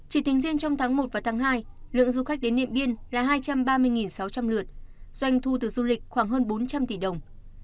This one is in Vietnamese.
chỉ tính riêng trong tháng một và tháng hai lượng du khách đến điện biên là hai trăm ba mươi sáu trăm linh lượt doanh thu từ du lịch khoảng hơn bốn trăm linh tỷ đồng